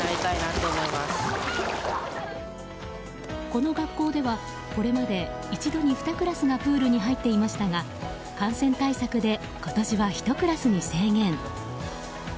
この学校ではこれまで一度に２クラスがプールに入っていましたが感染対策で今年は１クラスに制限。